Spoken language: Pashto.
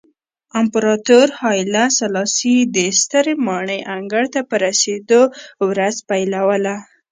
امپراتور هایله سلاسي د سترې ماڼۍ انګړ ته په رسېدو ورځ پیلوله.